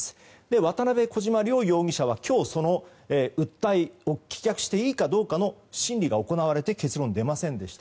渡邉、小島、両容疑者はその訴えを棄却していいかの審理が行われて結論が出ませんでした。